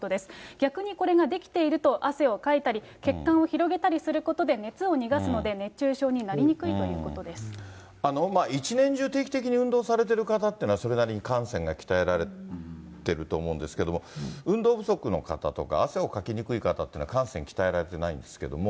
逆にこれができていると、汗をかいたり、血管を広げたりすることで熱を逃がすので、熱中症になり一年中、定期的に運動されてる方というのはそれなりに汗腺が鍛えられてると思うんですけども、運動不足の方とか、汗をかきにくい方というのは汗腺鍛えられてないんですけども。